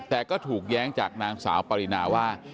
แต่ก็ถูกแย้งจากนางสาวปรินาว่า